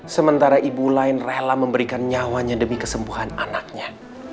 sementara ibu lain rela memberikan nyawanya demi kesembuhan anaknya